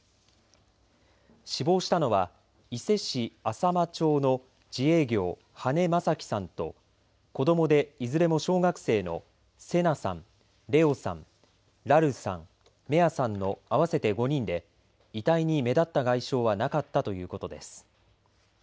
死亡したのは伊勢市朝熊町の自営業羽根正樹さんと子どもでいずれも小学生の聖夏さん、怜皇さん蘭琉さん、芽杏さんの合わせて５人で遺体に目立った外傷はなかったということです。